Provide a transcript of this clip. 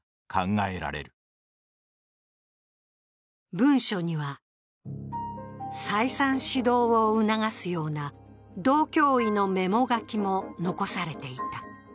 文書には再三指導を促すような道教委のメモ書きも残されていた。